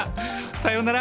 さようなら！